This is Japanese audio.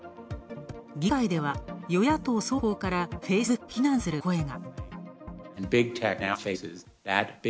議会では与野党双方からフェイスブックを非難する声が。